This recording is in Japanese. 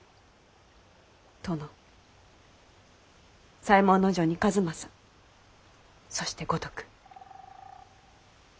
殿左衛門尉に数正そして五徳。